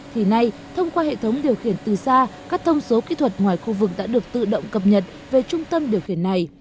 thì nay thông qua hệ thống điều khiển từ xa các thông số kỹ thuật ngoài khu vực đã được tự động cập nhật về trung tâm điều khiển này